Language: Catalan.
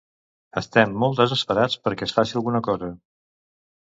Estem molt desesperats perquè es faci alguna cosa.